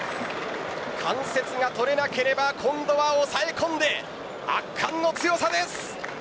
関節が取れなければ今度は押さえ込んで圧巻の強さです。